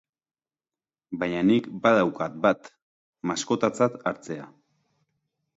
Baina nik badaukat bat, maskotatzat hartzea.